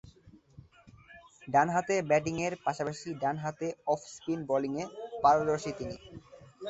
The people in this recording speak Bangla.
ডানহাতে ব্যাটিংয়ের পাশাপাশি ডানহাতে অফ স্পিন বোলিংয়ে পারদর্শী তিনি।